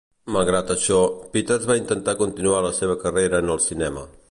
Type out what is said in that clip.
Malgrat això, Peters va intentar continuar la seva carrera en el cinema.